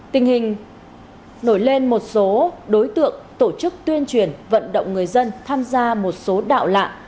tình hình nổi lên một số đối tượng tổ chức tuyên truyền vận động người dân tham gia một số đạo lạ